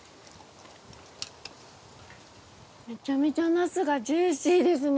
めちゃめちゃナスがジューシーですね。